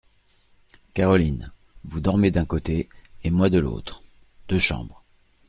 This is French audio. Caroline ! vous dormez d’un côté, et moi de l’autre !… deux chambres…